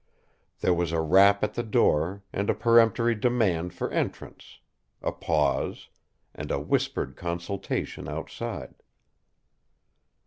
There was a rap at the door and a peremptory demand for entrance a pause and a whispered consultation outside.